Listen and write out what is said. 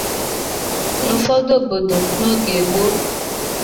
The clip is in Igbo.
N'ụfọdụ obodo n'oge gboo